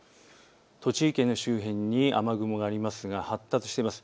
栃木県の周辺に雨雲がありますが発達しています。